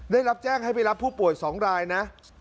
ได้รับแจ้งให้ไปรับผู้ป่วย๒รายนะ